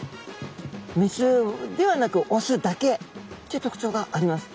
メスではなくオスだけっていう特徴があります。